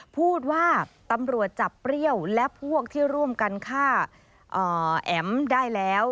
พูดว่าตำรวจจับเปรี้ยวและพวกที่ร่วมกันฆ่าแอ๋มได้แล้ว